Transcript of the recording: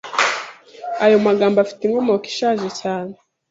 Ayo magambo afite inkomoko ishaje cyane.